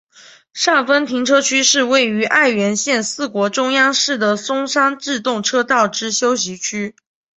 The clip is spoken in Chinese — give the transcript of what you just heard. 上分停车区是位于爱媛县四国中央市的松山自动车道之休息区。